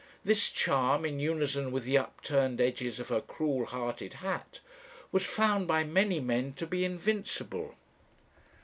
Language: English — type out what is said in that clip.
This charm, in unison with the upturned edges of her cruel hearted hat, was found by many men to be invincible.